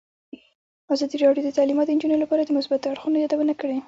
ازادي راډیو د تعلیمات د نجونو لپاره د مثبتو اړخونو یادونه کړې.